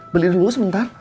beli dulu sebentar